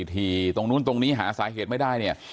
ทีตรงนู้นตรงนี้หาสาเหตุไม่ได้เนี่ย